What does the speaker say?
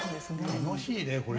楽しいねこれ。